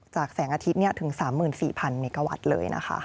แสงอาทิตย์ถึง๓๔๐๐เมกาวัตต์เลยนะคะ